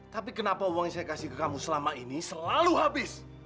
tapi kenapa uang yang saya kasih ke kamu selama ini selalu habis